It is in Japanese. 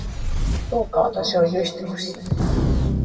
どうか私を許してほしい